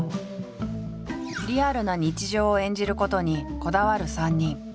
リアルな日常を演じることにこだわる３人。